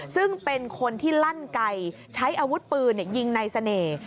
ซึ่งเป็นคนที่ลั่นไก่ใช้อาวุธปืนยิงในเสน่ห์